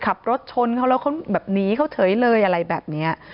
ขับรถชนเขาแล้วเขาแบบหนีเขาเฉยเลยอะไรแบบนี้